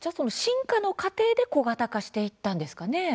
進化の過程で小型化していったんですかね。